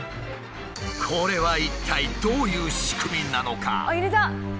これは一体どういう仕組みなのか。